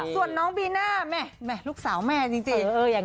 ส่วนน้องบีน่าแม่ลูกสาวแม่จริง